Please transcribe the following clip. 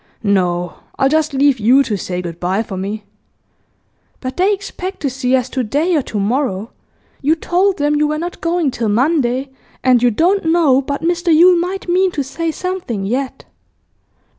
No, I'll just leave you to say good bye for me.' 'But they expect to see us to day or to morrow. You told them you were not going till Monday, and you don't know but Mr Yule might mean to say something yet.